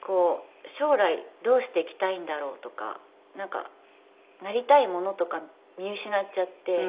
将来どうしていきたいんだろうとかなんかなりたいものとか見失っちゃって。